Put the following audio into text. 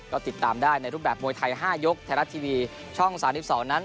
ก็ติดตามได้ในรูปแบบมวยไทย๕ยกไทยรัฐทีวีช่อง๓๒นั้น